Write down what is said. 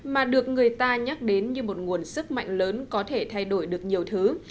mà được người ta nhắc đến như một nguồn sức mạnh lớn có thể thay đổi được nhiều thứ